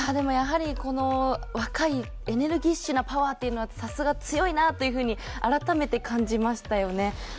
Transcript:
やはりこの若いエネルギッシュなパワーはさすが強いなというふうに改めて感じましたよね。